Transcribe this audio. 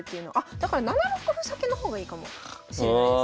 だから７六歩先の方がいいかもしれないですね。